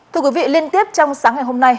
thưa quý vị liên tiếp trong sáng ngày hôm nay